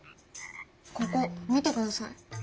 ここ見てください。